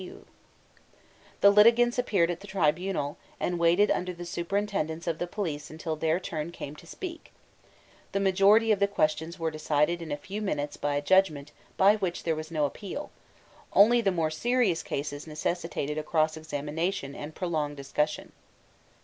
The litigants appeared at the tribunal, and waited under the superintendence of the police until their turn came to speak: the majority of the questions were decided in a few minutes by a judgment by which there was no appeal; only the more serious cases necessitated a cross examination and prolonged discussion.